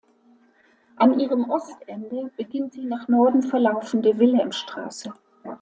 An ihrem Ostende beginnt die nach Norden verlaufende Wilhelmstraße.